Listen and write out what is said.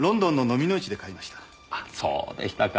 あっそうでしたか。